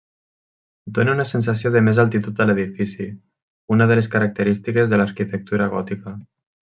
Dóna una sensació de més altitud a l'edifici, una de les característiques de l'arquitectura gòtica.